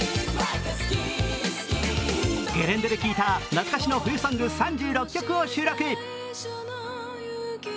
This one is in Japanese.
ゲレンデで聴いた懐かしの冬ソング３６曲を収録。